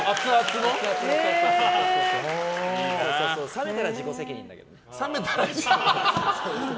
冷めたら自己責任だけどね。